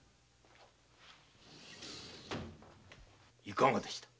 いかがでした？